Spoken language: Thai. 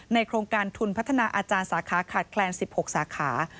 โครงการทุนพัฒนาอาจารย์สาขาขาดแคลน๑๖สาขา